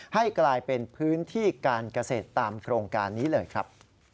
ให้กลายเป็นพื้นที่การเกษตรตามโครงการนี้เลยครับ